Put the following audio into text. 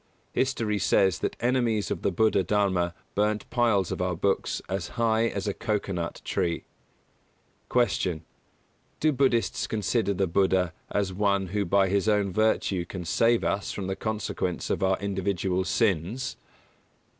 History says that enemies of the Buddha Dharma burnt piles of our books as high as a coco nut tree. 168. Q. _Do Buddhists consider the Buddha as one who by his own virtue can save us from the consequence of our individual sins?